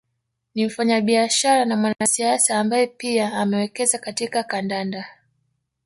Ni mfanyabiashara na mwanasiasa ambaye pia amewekeza katika kandanda